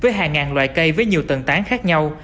với hàng ngàn loại cây với nhiều tầng tán khác nhau